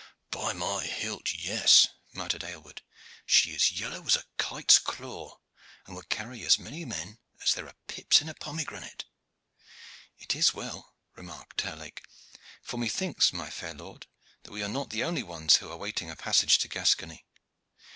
"By my hilt, yes!" muttered Aylward; "she is yellow as a kite's claw, and would carry as many men as there are pips in a pomegranate." "It is as well," remarked Terlake; "for methinks, my fair lord, that we are not the only ones who are waiting a passage to Gascony.